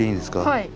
はい。